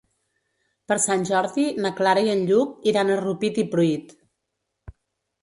Per Sant Jordi na Clara i en Lluc iran a Rupit i Pruit.